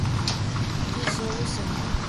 dissolução